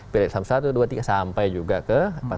pilihan satu dua tiga sampai juga ke empat ratus dua belas